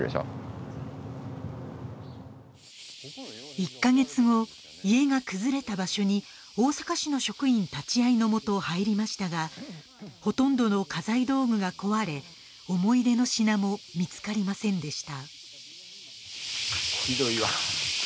１か月後家が崩れた場所に大阪市の職員立ち会いのもと入りましたがほとんどの家財道具が壊れ思い出の品も見つかりませんでした